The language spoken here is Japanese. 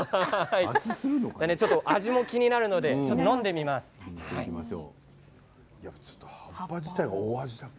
味も気になるので飲んでみましょう。